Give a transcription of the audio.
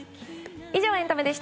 以上、エンタメでした。